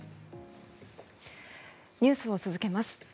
ニュースを続けます。